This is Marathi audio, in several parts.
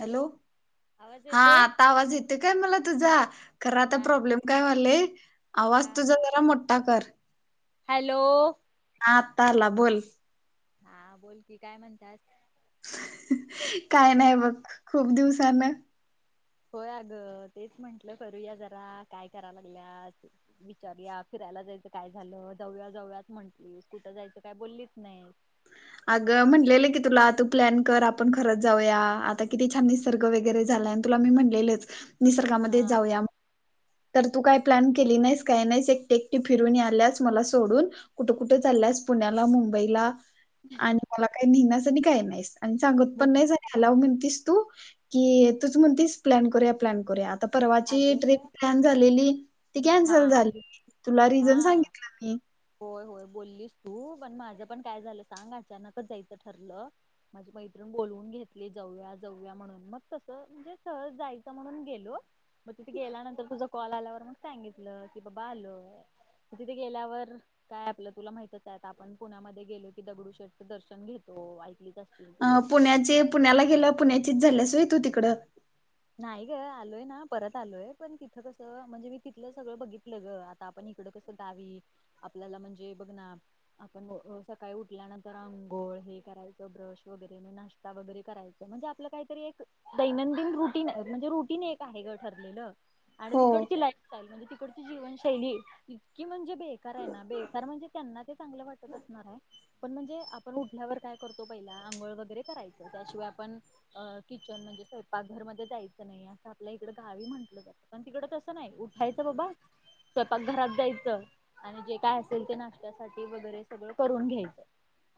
हॅलो आवाज हा येतोय? आता आवाज येतो काय मला तुझा खरा आता हा प्रॉब्लेम काय झालंय आवाज हा. तुझा जरा मोठा कर. हॅलो. हा आता आला बोल. हा बोलकी काय म्हणता? काय नाही बघ खूप दिवसान. होय अगं तेच म्हंटलं करूया जरा काय करा लागल्या अस. विचारू या फिरायला जायचं काय झालं जाऊया-जाऊयात म्हटली कुठं जायचं काय बोललीच नाही. अगं म्हटलेलं की तुला तू प्लॅन कर आपण खरच जाऊया आता किती छान निसर्ग वगैरे झाला तुला मी म्हणलेलेच निसर्गामध्ये हा जाऊया. तर तू काय प्लॅन केली नाहीस काही नाहीस एकटी-एकटी फिरून आल्यास मला सोडून. कुठं-कुठं चाललंयस पुण्याला मुंबईला आणि मला काही नेहण्यास आणि काय नाहीस आणि सांगत मु पण नाही. हॅलाव म्हणतीस तू कि तूच म्हणतीस प्लॅन करूया प्लॅन करूया आता परवाची ट्रीप अगं प्लॅन झालेली ती हा कॅन्सल झाली तुला रिझन सांगितलं मी. होय-होय बोललीस तू पण माझं पण काय झालं सांग अचानकच जायचं ठरलं. माझी मैत्रिण बोलवून घेतली जाऊया-जाऊया म्हणून मग तसं म्हणजे सहज जायचं म्हणून गेलो. मग तिथे गेल्यानंतर तुझा कॉल आल्यावर मग सांगितलं की बाबा आलोय. तिथे गेल्यावर काय आपलं तुला माहितच आहे आपण पुण्यामध्ये गेलो की दगडू शेठचं दर्शन घेतो ऐक ती जा [unintelligible] अ पुण्याचे पुण्याला गेलं पुण्याचीच झाल्यास होय तू तिकड नाही ग आलोय ना परत आलोय पण तिथं कसं म्हणजे मी तिथलं सगळं बघितलं ग आता आपण इकडं कसं दावीत आपल्याला म्हणजे बघ ना आपण अ सकाळी उठल्यानंतर आंघोळ हे करायचं ब्रश वगैरे म नाश वगरे करायच म्हणजे आपलं काहीतरी एक दैनंदिन रू म्हणजे रुटीन एक आहे ग ठरलेलं आणि हो तिकडची लाई [unintelligible] म्हणजे तिकडची जीवशैली इतकी म्हणजे बेकार आहे ना बेकार म्हणजे त्यांना ते चांगलं वाटत असणार आहे आपण म्हणजे आपण उठल्यावर काय करतो पहिला आंघोळ वगैरे करायचं त्याशिवाय आपण अ किचन म्हणजे स्वयंपाकघरमध्ये जायचं नाही असं आपल्या इकड गावी म्हटलं जातं पण तिकडं तसं नाही उठायचं बाबा स्वयपाक घरात जायचं आणि जे काय असेल ते नाश्त्यासाठी वगैरे सगळं करून घ्यायचं.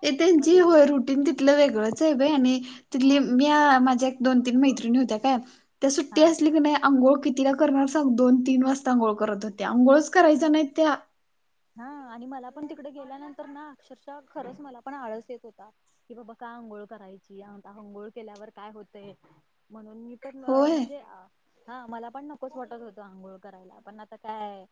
ते मग त्यांची ते होय रुटीन तिथलं वेगळंच आहे बाई आणि तिथली मी माझ्या एक दोन, तीन मैत्रिणी होत्या काय त्या सुट्टी हा असली की नाही अंघोळ किती कितीला करणार सांग दोन, तीन वाजता अंघोळ करत होत्या अंघोळच करायच्या नाहीत त्या. हा आणि मला पण तिकडे गेल्यानंतर ना अक्षरशः खरंच मला पण आळस येत होता. कि बाबा का अंघोळ करायची आता अंघोळ केल्यावर काय होतय म्हणून मी अ होय म्हणजे अ हा मला पण नकोच वाटत होतं आंघोळ करायला पण आता काय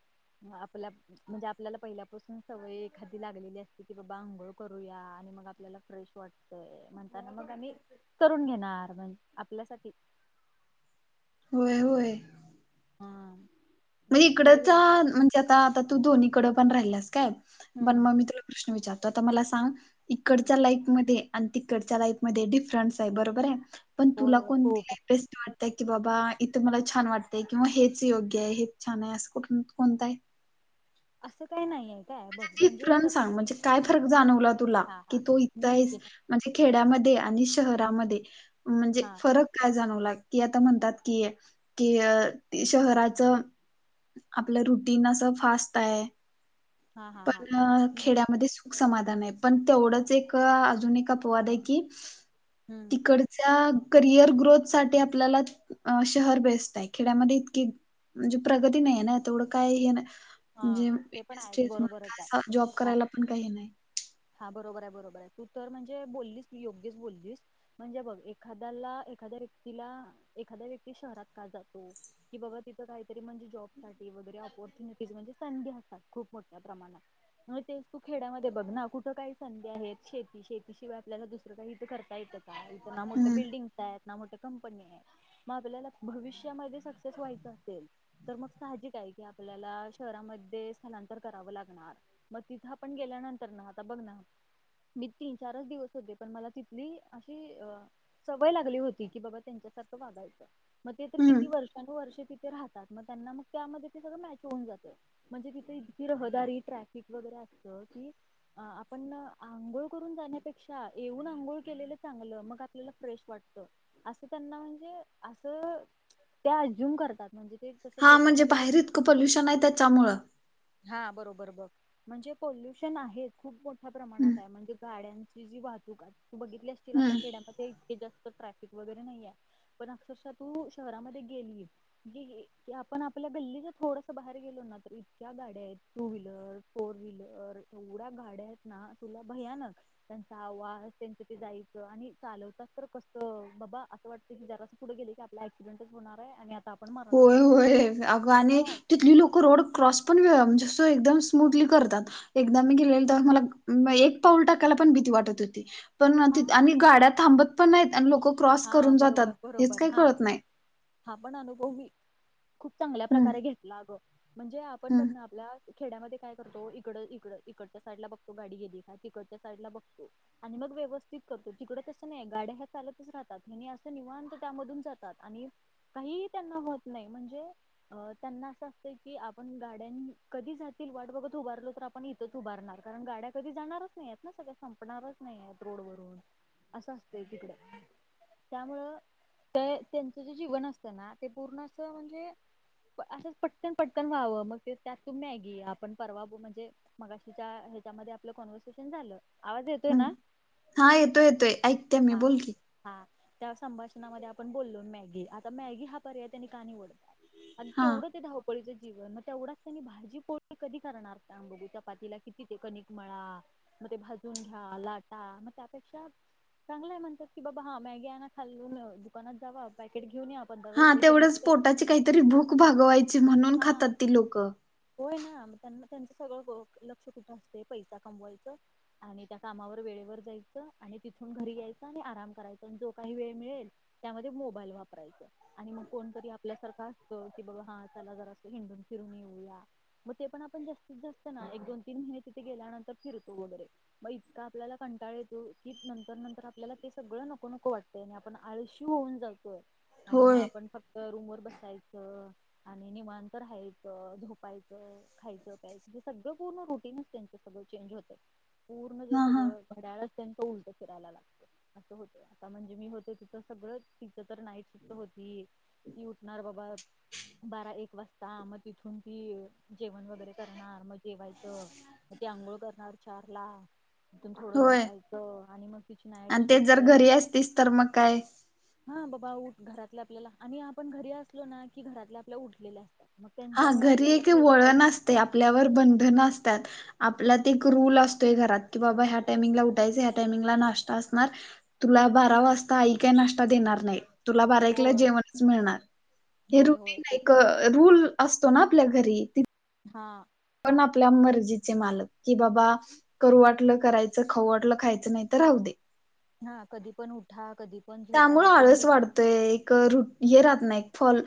आपल्या म्हणजे आपल्याला पहिल्यापासून सवय एखादी लागलेली असली की बाबा आंघोळ करूया आणि मग आपल्याला फ्रेश वाट तय म्हणताना मग आणि करून घेणार म्हण आपल्यासाठी होय होय [unintelligible] [unintelligible] मग तिकडे इकडचा गे म्हणजे आता आता तू दोन्हीकड पण राहिल्यास काय पण हम्म मग मि प्रश्न विचारतो आता मला सांग इकडच्या लाईक मधे अन् तिकडच्या लाईफ मध्ये डिफरन्स आहे बरोबर आहे पण होय तुला होय कोणती खूप लाईफ बेस्ट वाटत्या. की बाबा इथं मला छान वाटतय किंवा हेच योग्य आहे, हेच छान आहे असं कुठ कोणत आहे. असं काही नाहीये. म्हणजे डिफरन्स सांग म्हणजे काय फरक जाणवला तुला हा की हा तू इथं मी हाईस नक्की नक्की. म्हणजे खेड्यामध्ये आणि शहरामध्ये म्हणजे हा फरक काय जाणवलाय की आता म्हणतात की की शहराच आपलं रुटीन असं फास्त हाय. हा हा पण हा अ नक्की. खेड्यामध्ये सु समाधान आहे पण तेवढंच एक अजून एक अपवाद आहे की हम्म. इकडच्या करिअर ग्रोथ साठी आपल्यालात अ शहर बेस्ट आहे खेड्यामध्ये इतकी म्हणजे प्रगती नाही आहे ना, तेवढं काय हे नाय हा म्हणजे ते पण आहेच इंडस्ट्रियल मग बरोबरच काय अस जॉब आहे. करायला पण काही हे नाही. हा बरोबर आहे बरोबर आहे तू तर म्हणजे बोलीस तू योग्यच बोलीस. म्हणजे बघ एखाद्याला एखाद्या व्यक्तीला एखाद्या व्यक्ती शहरात का जातो? कि बाबा तिथं काहीतरी म्हणजे जॉब साठी वगैरे, ऑपॉर्च्युनिटीज म्हणजे संडी असतात खूप मोठ्या प्रमाणात. नय ते तू खेड्यामध्ये बघ ना कुठ त काही संधी आहेत शेती शेतीशिवाय आपल्याला दुसरं काही इथं करता येतं का इथं ना मोठं हम्म बिल्डिंग त ह्यात ना, मोठ्या कंपनी आहे म आपल्याला भविष्यामध्ये सक्सेस व्हायच असेल तर मग साहजिकाय की आपल्याला शहरामध्ये स्थलांतर करावं लागणार. म तिथं आपण गेल्यानंतर ना आता बघ ना. मी तीन, चारस दिवस होते पण मला तिथली अशी अ सवय लागली होती की बाबा त्यांच्यासारखं वागायचं मग ते तर हम्म किती वर्षानुवर्ष तीथ ते राहतात मग त्यांना मग त्यामध्ये ते सगळं मॅच होऊन जातं. म्हणजे तिथं इतकी रहदारी ट्रॅफिक वगैरे असत की अ आपण ना, आंघोळ करून जाण्यापेक्षा येऊन आंघोळ केलेलं चांगलं मग आपल्याला फ्रेश वाटतं. आसं त्यांना म्हणजे आसं त्या ॲझ्युम करतात म्हणजे ते तसं हा म्हणजे डोक्यामध्ये बाहेर इतकं पोल्युशन हाय त्याच्यामुळं. हा बरोबर बघ म्हणजे पोल्युशन आहेच. खूप मोठ्या हम्म प्रमाणात आहे म्हणजे गाड्यांची जी वाहतूक आहे तू बघितली असशील हम्म. आपल्या खेड्यामध्ये. तेइतके जास्त ट्रॅफिक वगैरे, नाही आहे पण अक्षरशः तू शहरामध्ये गेलीये. गे गे की आपण आपल्या गल्ली च थोडस बाहेर गेलो ना, तर इतक्या गाड्या ह्यात. टू व्हीलर, फोर व्हीलर एवढ्या गाड्या आहेत ना तुला भयानक. त्यांचा आवाज त्यांचं ते जायचं आणि चालवतात तर कसं बाबा असं वाटतं की जरासं पुढ गेले की आप ला एक्सिडेंटच होणारय आणि आप होय होय अग आणि हा तिथली लोकं रोड क्रॉस पण व्य म्हणजे असं एकदम स्मूटली करतात. एकदा मी गेलेले त मला एक पाऊल टाकायला पण भीती वाटत होती. पण नातीथं हा आणि गाड्या थांबत पण नाहीत आणि लोक क्रॉस हा करून बरोबर जातात हेच बरोबर काही हा कळत नाही. हा पण अनुभव मी खूप चांगल्या हम्म प्रकारे घेतला आगं म्हणजे आपण हम्म बघण आपल्या खेड्यामध्ये काय करतो इकड, इकड इकडच्या साईडला बघतो गाडी गेली का तिकडच्या साईडला बघतो. आणि मग व्यवस्थित करतो तिकडं तसं नाही गाड्या ह्या चालत. [unintelligible] राहतात हे असं निवांत त्यामधून जातात आणि काहीही त्यांना होत नाही म्हणजे अ त्यांना असं असतंय की आपण गाड्यांन कधी जातील वाट बघत उभारलो तर आप पण इथंच उभारणार कारण गाड्या कधी जाणारच नाहीयत ना, सगळ्या संपणारच नाहीयत रोड वरून असं असतंय तिकडं त्यामुळं तय त्यांचं जे जीवन असतं ना, ते पूर्ण असं म्हणजे असंच पटकन, पटकन व्हावं मग ते त्यात तू मॅगी आपण परवा बो म्हणजे मगाशीच्या ह्याच्यामध्ये आपलं कॉन्व्हर्सेशन झालं. आवाज येतोय हम् ना [unintelligible] हा येतोय येतोय ऐकते मी हा बोल हा की. हा त्या संभाषणामध्ये आपण बोलो मॅगी आता मॅगी हा पर्याय त्यांनी का निवडलाय? आण हा केवढं ते धाव पळीचं जीवन मग तेवढाच त्यांनी भाजी पोळी कधी करणार त्या मुली [unintelligible] चपातीला किती ते कणिक मळा मग ते भाजून घ्या लाटा म त्यापेक्षा चांगलाय म्हणत्यात. कि बाबा, हा! मॅगी आणा खालून, दुकानात जावा, पॅकेट घेऊन या पंधरा हा! रुपयेच तेवढंच भेटतय पोटाची काहीतरी भूक भागवायची म्हणून हा खातात ती लोकं होय ना! मग त्यांना... त्यांचं सगळं लक्ष कुठं असतंय? पैसा कमवायचं आणि त्या कामावर वेळेवर जायचं, आणि तिथून घरी यायचं, आणि आराम करायचा, आणि जो काही वेळ मिळेल त्यामध्ये मोबाईल वापरायचा. आणि मग कोणतरी आपल्यासारखं असतं, कि बाबा हा, चला जरा अस हिंडून फिरून येऊया! मग ते पण आपण जास्तीत जास्त ना, एक-दोन-तीन महिने तिथे गेल्यानंतर फिरतो वगैरे. मग इतका आपल्याला कंटाळ येतो, की नंतर नंतर आपल्याला तेच सगळं नको नको वाटतंय, आणि आपण आळशी होऊन जातोय, आणि मग होय आपण फक्त रूम वर बसायचं आणि निवांत राहायचं, झोपायचं, खायचं, प्यायचं हे सगळं पूर्ण रुटींनच त्यांचं ते सगळं चेंज होतय, पूर्ण जे हा हा सगळं घड्याळच त्यांचं उलटं फिरायला लागतय. असं होतं, आता म्हणजे, मी होते तिथं सगळच... तिथं तर नाइट शिफ्ट होती. ती उठणार [inaudible] बारा-एक वाजता, मग तिथून ती जेवण वगैरे करणार, मग जेवायचं. मग ती आंघोळ करणार चारला, तिथून थोडं होय झोपायचं, आणि मग तिची नाईट आणि ते शिफ्ट जर घरी असतीस तर, मग काय? हा बाबा उठ... घरातले आपल्याला.. आणि आपण घरी असलो ना, की घरातले आपल्या उठलेले असतात. मग, त्यांच्यामुळे आपल्याला थोडंस ते आपल्यावर बंधनं असतात आपल्यात एक रूल असतोय घरात, की बाबा ह्या टायमिंगला उठायचं, ह्या टायमिंगला नाश्ता असणार तुला बारा वाजता आई काय नाष्ट्ता देणार नाही. तुला बारा-एकला होय जेवणच मिळणार, हे होय होय रुटीन, ते एक रूल- असतो ना आपल्या घरी हा. आपण आपल्या मर्जीचे मालक, कि बाबा करू वाटलं करायचं, खाऊ वाटलं खायचं, नाही तर राहू दे! हा, कधी पण उठा, कधी पण झोपा त्यामुळं हा कोण आळस विचार वाढतोय, एक रु-हे राहत नाही, एक फॉल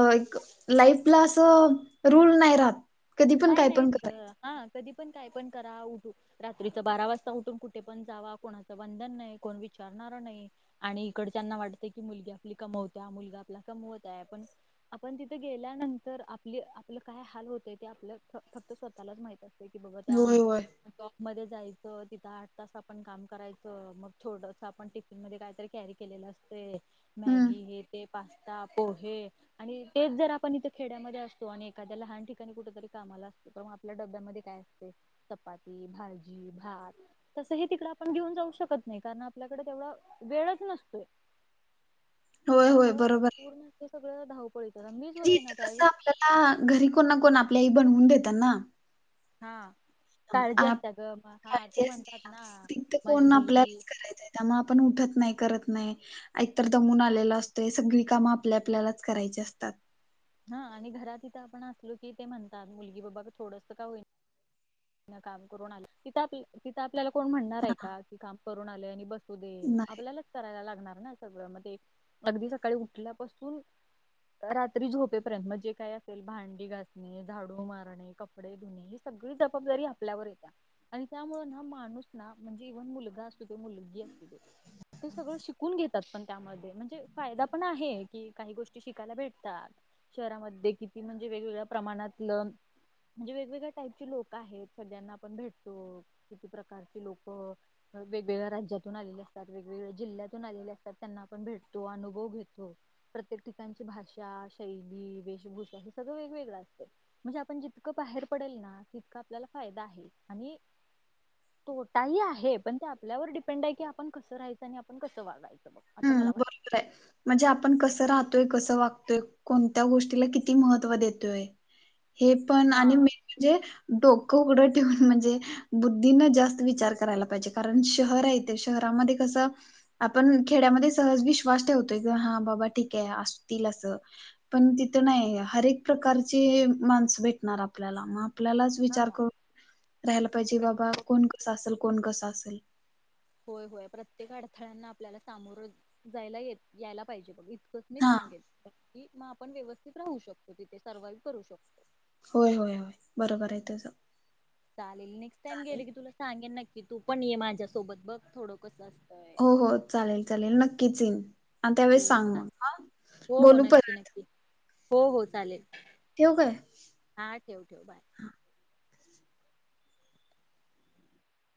अ एक, लाईफला असं रूल नाही राहत. कधी पण काय नाहीच पण ग! कराय हा, कधी पण, काय पण करा उठू रात्रीचं बारा वाजता उठून कुठे पण जावा, कोणाचं बंधन नाही, कोण विचारणारं नाही! आणि इकडच्यांना वाटतं की, मुलगी आपली कमवत आहे, मुलगा आपला कमवत आहे, पण आपण तिथे गेल्यानंतर, आपली... आपलं काय हाल होतय? ते आपलं फ-फक्त स्वतःलाच माहित असतय की, बघ त्या होय होय शॉप मध्ये जायचं, तिथं आठ तास आपण काम करायचं, मग थोडस आपण मध्ये काहीतरी कॅरी केलेलं असतय, हम्म मॅगी हे ते पास्ता, पोहे आणि तेच जर आपण इथं खेड्यामध्ये असतो, आणि एखाद्या लहान ठी तेंनी कुठ तरी कामाला असतं, तर मग आपल्या डब्यामध्ये काय असतय चपाती, भाजी, भात. तसंही तिकडं आपण घेऊन जाऊ शकत नाही, कारण आपल्याकडे तेवढा वेळच नसतोय. [inaudible] होय त्यामुळं, बरोबर आहे. पूर्ण हे सगळं धावपळीचंच! अन मीच म्हणजे होते ना इथं त्यावेळी. [inaudible] घरी कोण ना कोण आपल्याही बनवून देतं ना. हा, काळजी आप असते ग! म हा, ते काळजी म्हणतात ना, असते माझी मुलगी त्यामुळं आपण उठत नाही, करत नाही. एकतर दमून आलेलो असतोय, सगळी कामं आपली आपल्यालाच करायची असतात. हा, आणि घरात इथं आपण असलो, की ते म्हणतात, मुलगी बाबा थोडंस का होईना काम करून आली, तिथ आपल्या-तिथं आपल्याला कोण म्हणणार आहे का? की काम करून आलीये आणि बस. असुदे, नाही आपल्यालाच करायला लागणार ना सगळं? म ते अगदी सकाळी उठल्यापासून रात्री झोपेपर्यंत, मग जे काय असेल, भांडी घाासणे, झाडू मारणे, कपडे धुणे. ही सगळी जबाबदारी आपल्यावर येतात आणि त्यामुळें हा माणूस ना म्हणजे इव्हन मुलगा असतो ते मुलगी असतू ते ते सगळं शिकून घेतात पण त्यामध्ये म्हणजे फायदा पण आहे की काही गोष्टी शिकायला भेटतात शहरामध्ये किती म्हणजे वेगवेगळ्या प्रमाणातलं म्हणजे वेगवेगळ्या टाईपचे लोक आहेत सगळ्यांना आपण भेटतो किती प्रकारची लोक वेगवेगळ्या राज्यातून आलेले असतात वेगवेगळ्या जिल्ह्यातून आलेले असतात त्यांना आपण भेटतो अनुभव घेतो प्रत्येक ठिकाणची भाषा शैली वेशभूषा हे सगळं वेगवेगळं असते म्हणजे आपण जितकं बाहेर पडेल ना तितक आपल्याला फायदा आहे आणि तोटाही आहे पण ते आपल्यावर डिपेंड आहे की आपण कसं राहायचं आणि आपण कसं वागायचं बग असं हम्म मला वाटतं बरोबर म्हणजे आपण कसं राहतोय कसं वागतोय कोणत्या गोष्टीला किती महत्त्व देतोय हे पण हा आणि म म्हणजे डोकं उघडं ठेऊून म्हणजे बुद्धीना जास्त विचार करायला पाहिजे कारण शहर आहेथे शहरामध्ये कसं आपण खेड्यामध्ये सहज विश्वास ठेवतोय की हा बाबा ठीके असतील असं पण तिथं नाही हरक प्रकारची माणसं भेटणार आपल्याला मग आपल्यालाच हा विचार करून राहाला पाहिजे बाबा प्रत्येक कोण कसा असेल कोण कस असेल होय होय प्रत्येक अडथळ्यांना आपल्याला सामोरं जायला येत यायला पाहिजे बघ त मी हा सांगेल की मग आपण व्यवस्थित राहू शकतो तिथे सर्वाइव्ह करू शकतो होय होय होय बरोबर आहे त सग लेली नेक्स्ट टाईम गेले की तुला सांगेन नक्की तू पण ये माझ्यासोबत बघ थोडं कसं असतंय हो हो चालेल चालेल नक्कीच येई त्यावे हो हो सांग चालेल मग हो बू हो नक्की नक्की हो हो चालेल ठेऊ काय हा ठेव ठेव बाय